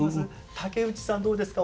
竹内さんどうですか？